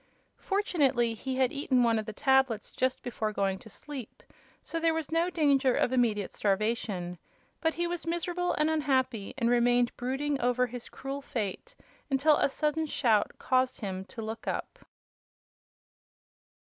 Fortunately, he had eaten one of the tablets just before going to sleep, so there was no danger of immediate starvation. But he was miserable and unhappy, and remained brooding over his cruel fate until a sudden shout caused him to look up.